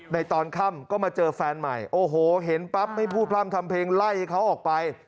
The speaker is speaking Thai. ตอนค่ำก็มาเจอแฟนใหม่โอ้โหเห็นปั๊บไม่พูดพร่ำทำเพลงไล่ให้เขาออกไป